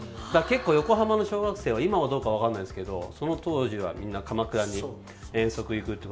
結構、横浜の小学生は今はどうか分かんないんですけどその当時はみんな鎌倉に遠足に行く。